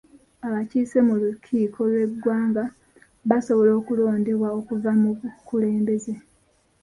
Abakiise mu lukiiko lw'eggwanga basobola okulondebwa okuva mu bukulembeze.